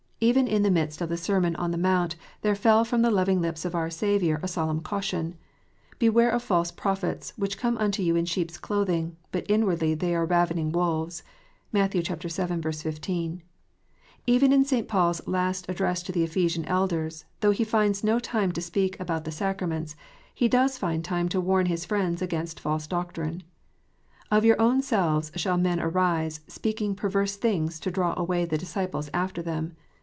Even in the midst of the Sermon on the Mount there fell from the loving lips of our Saviour a solemn caution :" Beware of false prophets, which come unto you in sheep s clothing, but inwardly they are ravening wolves." (Matt. vii. 15.) Even in St. Paul s last address to the Ephesian elders, though he finds no time to speak about the sacraments, he does find time to warn his friends against false doctrine :" Of your own selves shall men arise, speaking perverse things to draw away disciples after them."